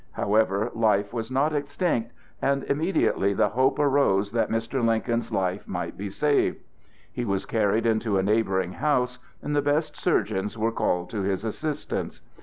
However, life was not extinct, and immediately the hope arose that Mr. Lincoln's life might be saved. He was carried into a neighboring house, and the best surgeons were called to his assistance.